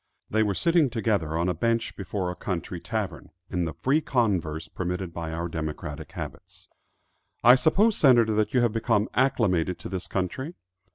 They were sitting together on a bench before a country tavern, in the free converse permitted by our democratic habits. "I suppose, Senator, that you have become acclimated to this country?"